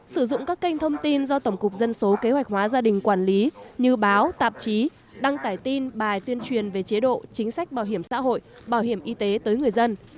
sử dụng các kênh thông tin do tổng cục dân số kế hoạch hóa gia đình quản lý như báo tạp chí đăng tải tin bài tuyên truyền về chế độ chính sách bảo hiểm xã hội bảo hiểm y tế tới người dân